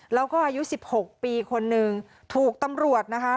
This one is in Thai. แล้วก็อายุ๑๖ปีคนนึงถูกตำรวจนะคะ